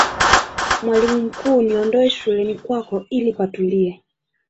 mwalimu mkuu niondoe shuleni kwako ili patulie